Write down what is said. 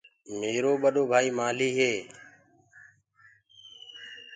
ميرو ٻڏو ڀآئيٚ مآلهيٚ هي۔